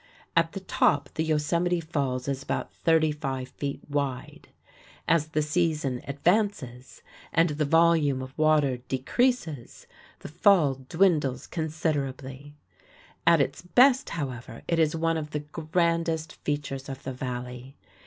At the top the Yosemite Falls is about 35 feet wide. As the season advances and the volume of water decreases, the fall dwindles considerably. At its best, however, it is one of the grandest features of the Valley.